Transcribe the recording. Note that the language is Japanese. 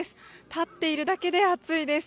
立っているだけで暑いです。